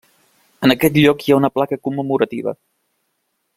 En aquest lloc hi ha una placa commemorativa.